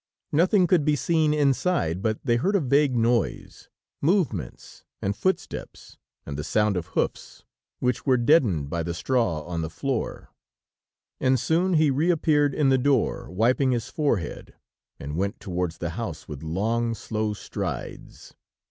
Nothing could be seen inside, but they heard a vague noise, movements, and footsteps and the sound of hoofs, which were deadened by the straw on the floor, and soon he reappeared in the door, wiping his forehead, and went towards the house with long, slow strides.